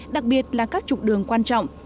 đặc biệt là các trục đường quan trọng